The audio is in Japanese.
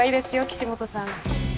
岸本さん。